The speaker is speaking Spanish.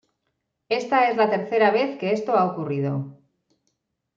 Esta es la tercera vez que esto ha ocurrido.